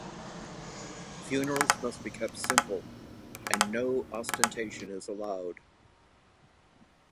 Funerals must be kept simple, and no ostentation is allowed.